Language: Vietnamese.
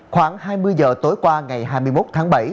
khoảng hai mươi giờ tối qua ngày hai mươi một tháng bảy